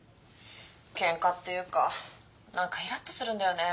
ケンカっていうか何かいらっとするんだよね。